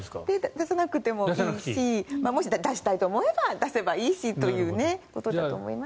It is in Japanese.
出さなくてもいいしもし出したいと思えば出せばいいしということだと思います。